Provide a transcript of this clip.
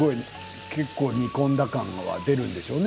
結構、煮込んだ感が出るんでしょうね